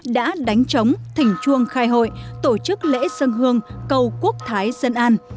đã đánh trống thỉnh chuông khai hội tổ chức lễ dân hương cầu quốc thái dân an